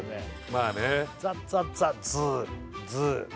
まあね